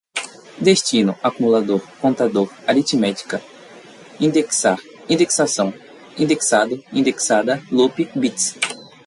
destino, acumulador, contador, aritméticas, indexar, indexação, indexado, indexada, loop, bits